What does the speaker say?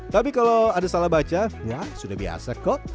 tapi kalau ada salah baca wah sudah biasa kok